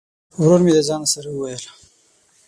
ورور مي د ځان سره وویل !